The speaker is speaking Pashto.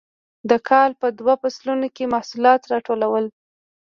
د کال په دوو فصلونو کې محصولات راټولول.